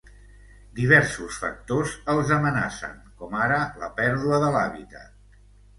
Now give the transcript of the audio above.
Diversos factors els amenacen, com ara la pèrdua de l'hàbitat.